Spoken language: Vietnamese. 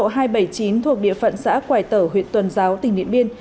trục đường cốt lộ hai trăm bảy mươi chín thuộc địa phận xã quải tở huyện tuần giáo tỉnh điện biên